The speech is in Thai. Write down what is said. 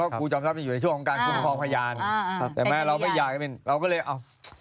ดูของการคุณภาคพยานแต่แม่เราไม่อยากเราก็เลยเอา